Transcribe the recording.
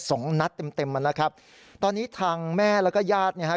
สองนัดเต็มเต็มอ่ะนะครับตอนนี้ทางแม่แล้วก็ญาติเนี่ยฮะ